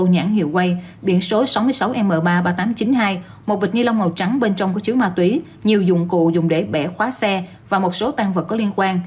nhãn hiệu way biển số sáu mươi sáu m ba mươi ba nghìn tám trăm chín mươi hai một bịch nylon màu trắng bên trong có chữ ma túy nhiều dụng cụ dùng để bẻ khóa xe và một số tăng vật có liên quan